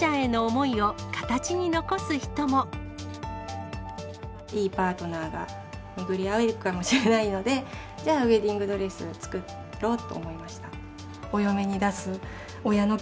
いいパートナーが巡り合えるかもしれないので、じゃあ、ウエディングドレスを作ろうと思いました。